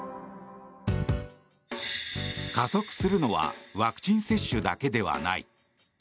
加速するのはワクチン接種だけではない。